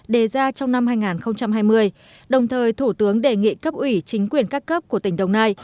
đề ra trong năm hai nghìn hai mươi đồng thời thủ tướng đề nghị cấp ủy chính quyền các cấp của tỉnh đồng nai